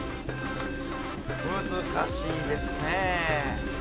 難しいですね。